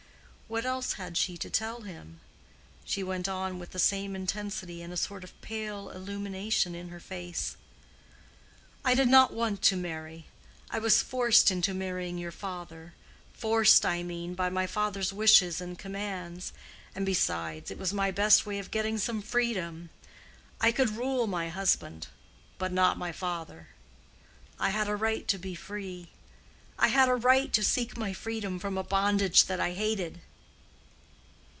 What else had she to tell him? She went on with the same intensity and a sort of pale illumination in her face. "I did not want to marry. I was forced into marrying your father—forced, I mean, by my father's wishes and commands; and besides, it was my best way of getting some freedom. I could rule my husband, but not my father. I had a right to be free. I had a right to seek my freedom from a bondage that I hated."